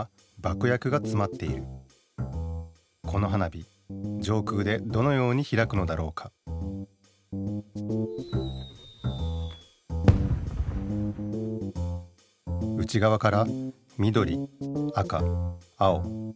この花火上空でどのようにひらくのだろうか内がわからみどり赤青。